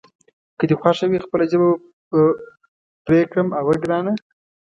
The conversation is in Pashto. که دې خوښه وي خپله ژبه به پرې کړم، اوه ګرانه.